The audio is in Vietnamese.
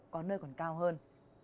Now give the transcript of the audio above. có nơi còn cao hơn